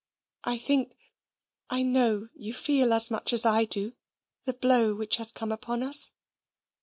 I think, I know you feel as much as I do the blow which has come upon us.